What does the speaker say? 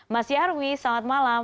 mas nyarwi selamat malam